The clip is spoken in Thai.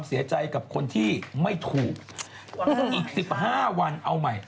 อีก๑๕วันเอาใหม่